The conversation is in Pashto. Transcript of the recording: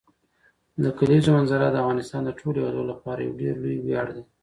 د کلیزو منظره د افغانستان د ټولو هیوادوالو لپاره یو ډېر لوی ویاړ دی.